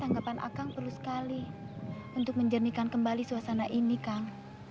anggapan akang perlu sekali untuk menjernihkan kembali suasana ini kang